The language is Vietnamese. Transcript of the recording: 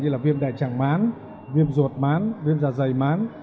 như là viêm đại tràng mán viêm ruột mán viêm da dày mán